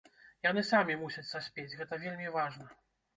Яны самі мусяць саспець, гэта вельмі важна.